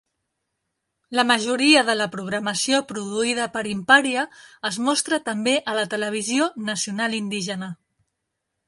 La majoria de la programació produïda per Imparja es mostra també a la televisió nacional indígena.